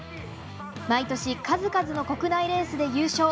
毎年、数々の国内レースで優勝。